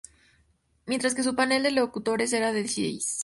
Mientras que su panel de locutores era de seis.